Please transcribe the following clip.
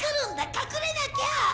隠れなきゃ！